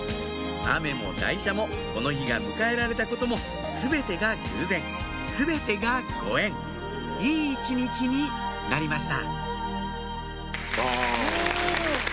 雨も台車もこの日が迎えられたことも全てが偶然全てがご縁いい一日になりました